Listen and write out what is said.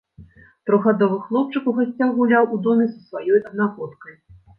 Трохгадовы хлопчык у гасцях гуляў у доме са сваёй аднагодкай.